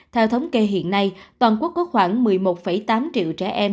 theo thống kê hiện nay toàn quốc có khoảng một mươi một tám triệu trẻ em